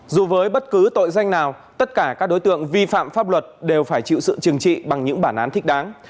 dù với bất cứ tội danh nào tất cả các đối tượng vi phạm pháp luật đều phải chịu sự chừng trị bằng những bản án thích đáng